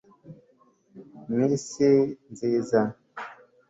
mw'isi nziza